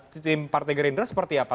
tim partai gerindra seperti apa